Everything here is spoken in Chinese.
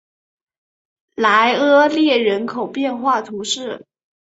莱阿列人口变化图示